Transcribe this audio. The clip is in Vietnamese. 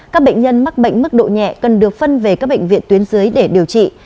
các bệnh nhân mắc bệnh mức độ nhẹ cần được phân về các bệnh viện tuyến dưới để điều trị